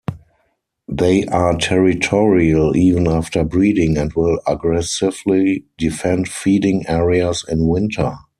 They are territorial even after breeding, and will aggressively defend feeding areas in winter.